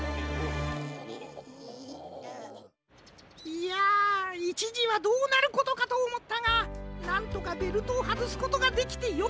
いやいちじはどうなることかとおもったがなんとかベルトをはずすことができてよかったのう。